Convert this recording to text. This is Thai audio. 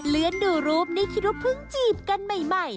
เลื่อนดูรูปนี่คิดว่าเพิ่งจีบกันใหม่